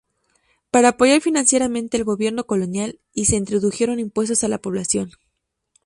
Para apoyar financieramente el gobierno colonial, y se introdujeron impuestos a la población.